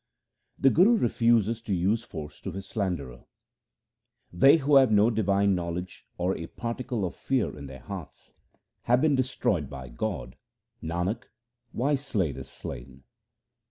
The Guru refuses to use force to his slanderer :— They who have no divine knowledge or a particle of fear in their hearts, Have been destroyed by God ; Nanak, why slay the slain